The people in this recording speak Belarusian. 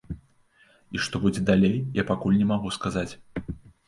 І што будзе далей, я пакуль не магу сказаць.